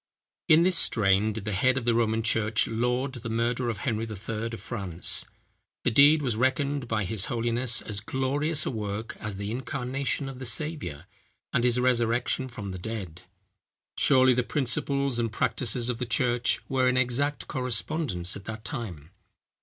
In this strain did the head of the Roman church laud the murder of Henry III. of France. The deed was reckoned by his holiness as glorious a work as the incarnation of the Saviour, and his resurrection from the dead. Surely, the principles and practices of the church, were in exact correspondence at that time.